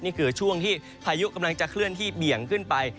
นี่คือช่วงที่พายุกำลังจะเคลื่อนที่เบี่ยงขึ้นไป